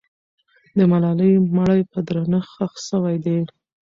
د ملالۍ مړی په درنښت ښخ سوی دی.